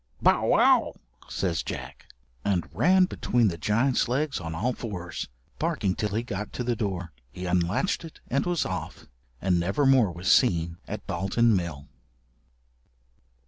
"Bow, wow," says Jack, and ran between the giant's legs on all fours, barking till he got to the door. He unlatched it and was off, and never more was seen at Dalton Mill.